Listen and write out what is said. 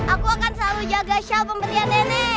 aku akan selalu jaga show pemberian nenek